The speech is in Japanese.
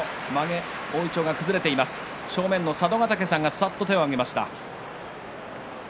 正面、佐渡ヶ嶽さんがちょっと手を挙げました。